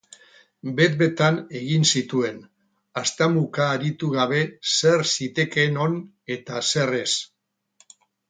Bet-betan egin zituen, haztamuka aritu gabe zer zitekeen on eta zer ez.